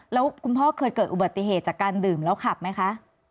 แล้วคุณพ่อเคยเกิดอุบัติเหตุจากการดื่มแล้วขับไหมคะ